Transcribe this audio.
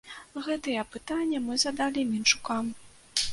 Гэтыя пытанні мы задалі менчукам.